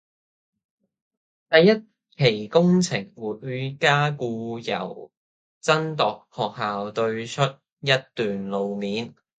第一期工程會加固由真鐸學校對出一段路面